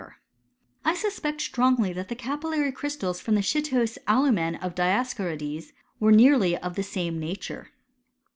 r'/ I suspect strongly that the capillary crystals ii^Qift: the schistose alumen of Dioscorides were nearly of tift same nature.